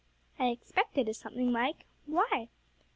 'I expect it is something like. Why?'